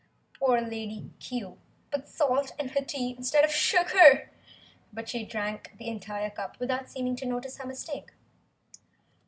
Poor Lady Cue put salt in her tea instead of sugar, but she drank the entire cup without seeming to notice her mistake.